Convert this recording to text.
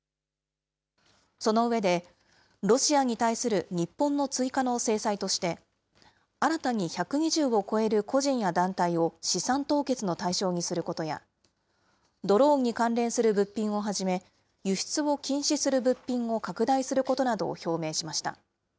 その上で、ロシアに対する日本の追加の制裁として、新たに１２０を超える個人や団体を資産凍結の対象にすることや、ドローンに関連する物品をはじめ、輸出を禁止する物品を拡大することなどを表明しました。